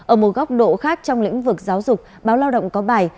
ở một góc độ khác trong lĩnh vực giáo dục báo lao động có bài